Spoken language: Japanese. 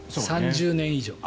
３０年以上。